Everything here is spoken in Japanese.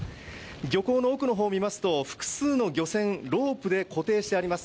漁港の奥の方を見ますと複数の漁船ロープで固定してあります。